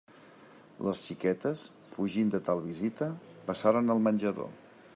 Les xiquetes, fugint de tal visita, passaren al menjador.